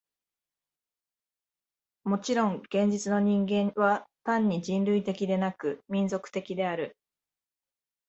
もちろん現実の人間は単に人類的でなく、民族的である。